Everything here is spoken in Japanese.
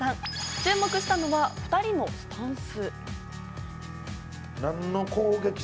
注目したのは２人のスタンス。